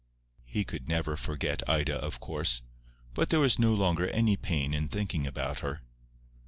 He could never forget Ida, of course; but there was no longer any pain in thinking about her.